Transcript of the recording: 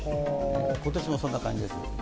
今年もそんな感じですね。